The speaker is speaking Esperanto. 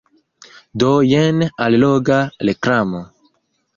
Do jen alloga reklamo.